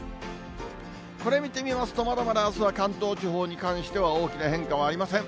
これ見てみますと、まだまだあすは、関東地方に関しては大きな変化はありません。